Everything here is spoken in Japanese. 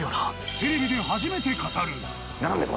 テレビで初めて語る。